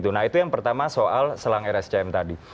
nah itu yang pertama soal selang rscm tadi